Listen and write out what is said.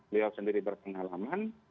beliau sendiri berpengalaman